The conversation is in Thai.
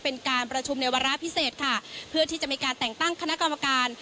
เป็นการประชุมในวาระพิเศษค่ะเพื่อที่จะมีการแต่งตั้งคณะกรรมการ